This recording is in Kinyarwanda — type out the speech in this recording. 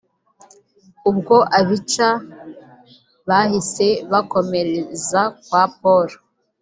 ubwo abica bahise bakomereza kwa Paul